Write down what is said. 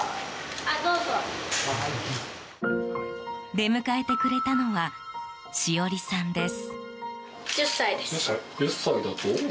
出迎えてくれたのはしおりさんです。